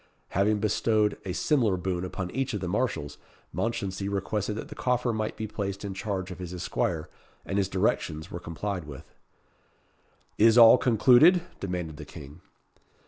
Having bestowed a similar boon upon each of the marshals, Mounchensey requested that the coffer might be placed in charge of his esquire and his directions were complied with. "Is all concluded?" demanded the King.